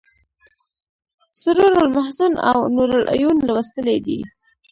سرور المحزون او نور العیون لوستلی دی.